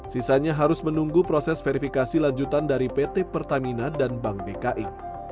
sisanya harus menunggu proses verifikasi lanjutan dari pt pertamina dan bank dki